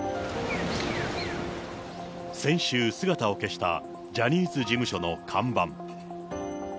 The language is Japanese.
先週、姿を消したジャニーズ事務所の看板。